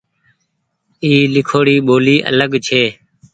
اي ليکوڙي ٻولي آلگ ڇي۔